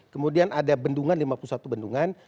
kemudian ada bendungan lima puluh satu bendungan